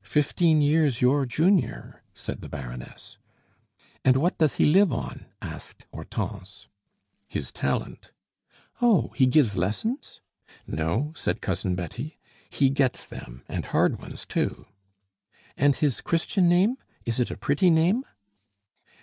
"Fifteen years your junior," said the Baroness. "And what does he live on?" asked Hortense. "His talent." "Oh, he gives lessons?" "No," said Cousin Betty; "he gets them, and hard ones too!" "And his Christian name is it a pretty name?"